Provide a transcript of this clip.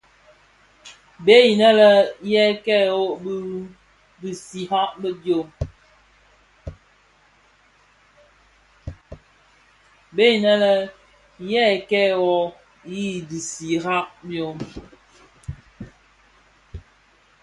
Bèè inë yê kêê wôôgh i digsigha byôm.